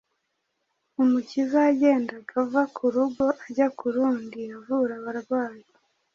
Umukiza yagendaga ava ku rugo ajya rundi, avura abarwayi.